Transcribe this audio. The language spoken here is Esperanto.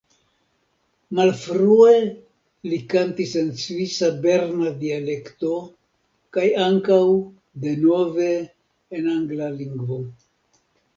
Malfrue li kantis en svisa berna dialekto, kaj ankaŭ de nove en angla lingvo.